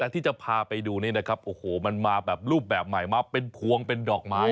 ที่จะพาไปดูนี่นะครับโอ้โหมันมาแบบรูปแบบใหม่มาเป็นพวงเป็นดอกไม้